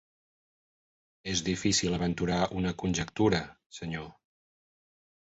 És difícil aventurar una conjectura, senyor.